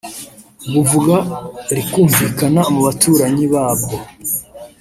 buvuga rikumvikana mu baturanyi babwo